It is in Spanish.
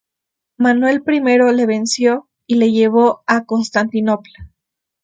Manuel I le venció y le llevó a Constantinopla.